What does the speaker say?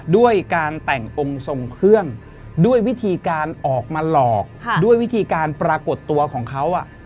ด้วยการแต่งองค์ทรงเครื่องด้วยวิธีการออกมาหลอกด้วยวิธีการปรากฏตัวของเขา